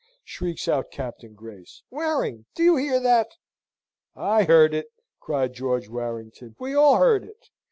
shrieks out Captain Grace. "Waring, do you hear that?" "I heard it, sir!" cried George Warrington. "We all heard it.